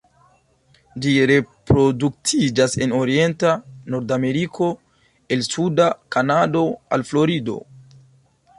Ĝi reproduktiĝas en orienta Nordameriko el suda Kanado al Florido.